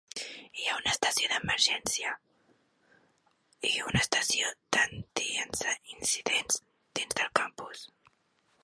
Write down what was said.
Hi ha una estació d'emergència i una estació d'antiincendis dins del campus.